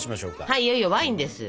はいいよいよワインです！